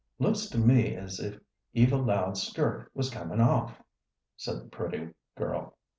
"Looks to me as if Eva Loud's skirt was comin' off," said the pretty girl.